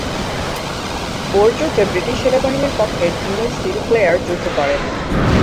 Bore যুদ্ধে British সেনাবাহিনীর পক্ষে জিমি সিনক্লেয়ার যুদ্ধ করেন।